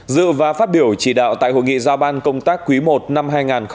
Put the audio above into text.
dự và phát biểu chỉ đạo tại hội nghị giao ban công tác quý i năm hai nghìn hai mươi